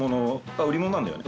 売り物なんだよね？